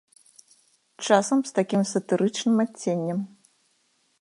Часам з такім сатырычным адценнем.